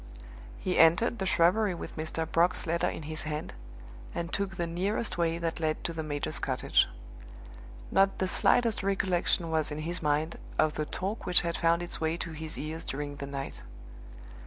He entered the shrubbery with Mr. Brock's letter in his hand, and took the nearest way that led to the major's cottage. Not the slightest recollection was in his mind of the talk which had found its way to his ears during the night.